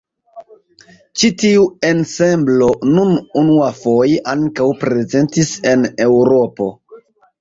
Ĉi tiu ensemblo nun unuafoje ankaŭ prezentis en Eŭropo.